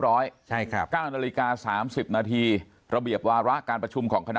ร้อยใช่ครับ๙นาฬิกา๓๐นาทีระเบียบวาระการประชุมของคณะ